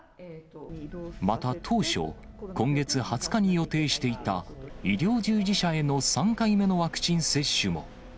また当初、今月２０日に予定していた医療従事者への３回目のワクチン接種も。